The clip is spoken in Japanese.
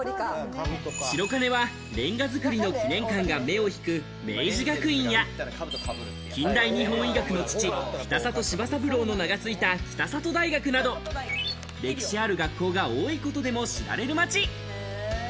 白金はレンガ造りの記念館が目を引く明治学院や近代日本医学の父・北里柴三郎の名が付いた北里大学など歴史ある学校が多いことでも知られる街。